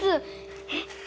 えっ！？